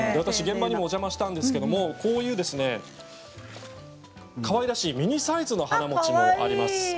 私、現場にもお邪魔したんですがこういうかわいらしいミニサイズの花餅もあります。